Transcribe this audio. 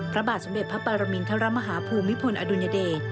พระบาทสมเด็จพระปรมินทรมาฮาภูมิพลอดุลยเดช